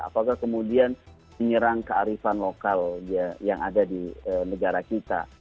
apakah kemudian menyerang kearifan lokal yang ada di negara kita